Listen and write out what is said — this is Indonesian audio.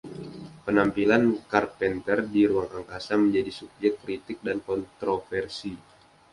Penampilan Carpenter di ruang angkasa menjadi subyek kritik dan kontroversi.